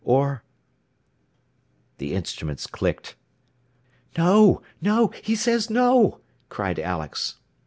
Or The instruments clicked. "No! No! He says, no!" cried Alex.